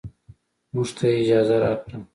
موږ ته يې اجازه راکړه.